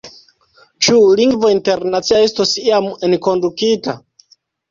Ĉu lingvo internacia estos iam enkondukita?